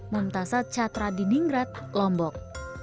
muntasa chathra dinringrad lombok